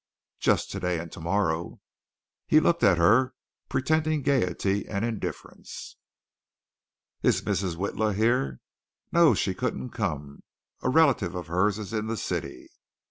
"Just today and tomorrow." He looked at her, pretending gaiety and indifference. "Is Mrs. Witla here?" "No, she couldn't come. A relative of hers is in the city."